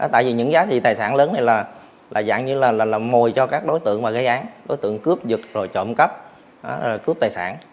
tại vì những giá trị tài sản lớn này là dạng như là mồi cho các đối tượng mà gây án đối tượng cướp dựt rồi trộm cắp cướp tài sản